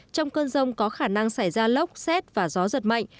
trong cơn rông có khả năng xảy ra lốc xét và gió giật mạnh